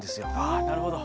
ああなるほど。